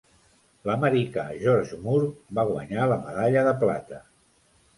L'americà George Moore va guanyar la medalla de plata.